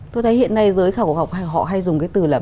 tôi thấy hiện nay giới khảo cổ học họ hay dùng cái từ là